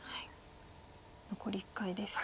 残り１回です。